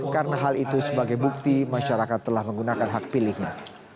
karena hal itu sebagai bukti masyarakat telah menggunakan hak pilihnya